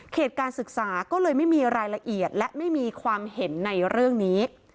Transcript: การศึกษาก็เลยไม่มีรายละเอียดและไม่มีความเห็นในเรื่องนี้